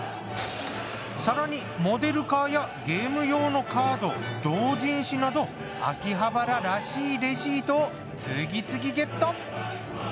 更にモデルカーやゲーム用のカード同人誌など秋葉原らしいレシートを次々ゲット。